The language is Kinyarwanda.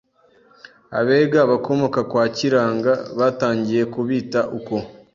Abega bakomoka kwa Kiranga batangiye kubita uko